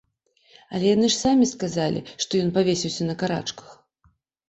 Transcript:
Але яны ж самі сказалі, што ён павесіўся на карачках!